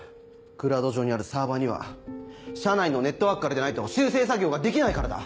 クラウド上にあるサーバ−には社内のネットワークからでないと修正作業ができないからだ！